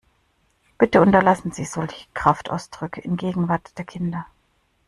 Bitte unterlassen Sie solche Kraftausdrücke in Gegenwart der Kinder!